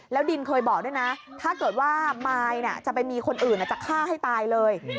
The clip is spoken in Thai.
แล้วดินเคยบอกด้วยนะถ้าเกิดว่ามายจะไปมีคนอื่นจะฆ่าให้ตายเลย